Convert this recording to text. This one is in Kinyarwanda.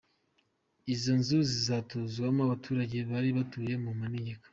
Izo nzu zizatuzwamo abaturage bari batuye mu manegeka.